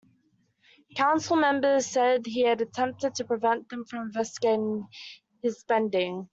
Council members said he had attempted to prevent them from investigating his spending.